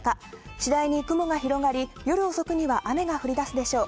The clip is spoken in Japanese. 次第に雲が広がり夜遅くには雨が降り出すでしょう。